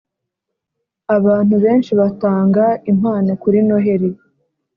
Abantu benshi batanga impano kuri Noheli